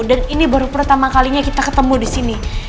dan ini baru pertama kalinya kita ketemu di sini